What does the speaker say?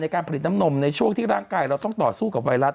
การผลิตน้ำนมในช่วงที่ร่างกายเราต้องต่อสู้กับไวรัส